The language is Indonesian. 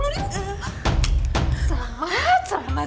selamat selamat selamat